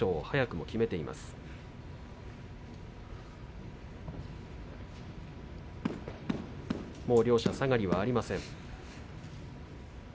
もう両者、下がりはありません。